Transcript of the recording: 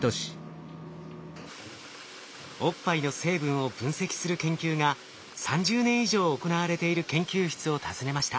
おっぱいの成分を分析する研究が３０年以上行われている研究室を訪ねました。